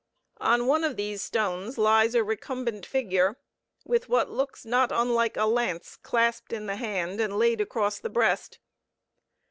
On one of these stones lies a recumbent figure, with what looks not unlike a lance clasped in the hand and laid across the breast.